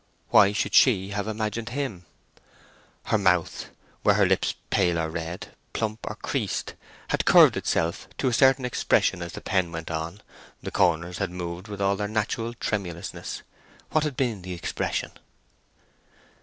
Why should she have imagined him? Her mouth—were the lips red or pale, plump or creased?—had curved itself to a certain expression as the pen went on—the corners had moved with all their natural tremulousness: what had been the expression?